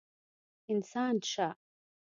انسان شه!